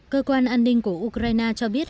cơ quan an ninh của ukraine cho biết